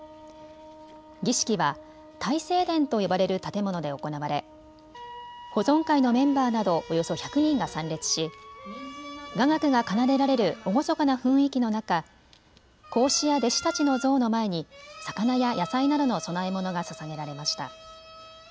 儀式は大成殿と呼ばれる建物で行われ保存会のメンバーなどおよそ１００人が参列し雅楽が奏でられる厳かな雰囲気の中、孔子や弟子たちの像の前に魚や野菜などの供え物がささげられました。